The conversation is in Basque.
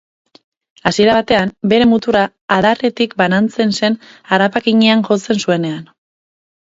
Hasiera batean, bere muturra adarretik banatzen zen harrapakinean jotzen zuenean.